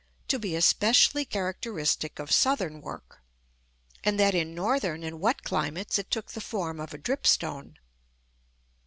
to be especially characteristic of southern work, and that in northern and wet climates it took the form of a dripstone.